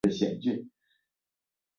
聚乙烯按其密度和分支分类。